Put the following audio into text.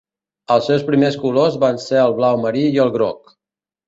Els seus primers colors van ser el blau marí i el groc.